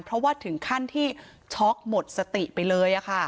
เพราะว่าถึงขั้นที่ช็อกหมดสติไปเลย